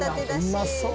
うまそう。